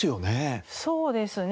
そうですね。